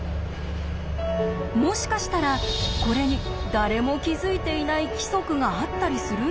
もしかしたらこれに誰も気付いていない規則があったりするんでしょうか？